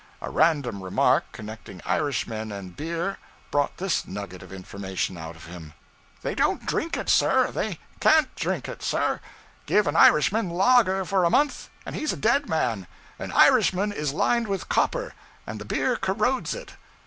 A random remark, connecting Irishmen and beer, brought this nugget of information out of him They don't drink it, sir. They can't drink it, sir. Give an Irishman lager for a month, and he's a dead man. An Irishman is lined with copper, and the beer corrodes it.